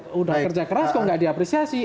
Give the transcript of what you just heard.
sudah kerja keras kok nggak diapresiasi